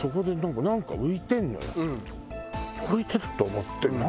浮いてる？と思って何？